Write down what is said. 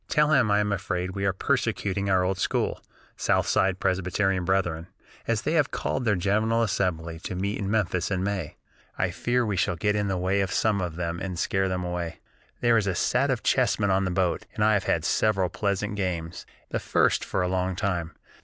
Tell him I am afraid we are persecuting our old school, southside Presbyterian brethren, as they have called their General Assembly to meet in Memphis in May. I fear we shall get in the way of some of them, and scare them away. "There is a set of chessmen on the boat, and I have had several pleasant games, the first for a long time.